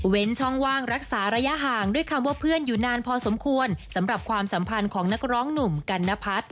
ช่องว่างรักษาระยะห่างด้วยคำว่าเพื่อนอยู่นานพอสมควรสำหรับความสัมพันธ์ของนักร้องหนุ่มกันนพัฒน์